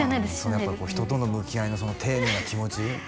やっぱ人との向き合いのその丁寧な気持ち